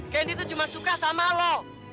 kendy tuh cuma suka sama lu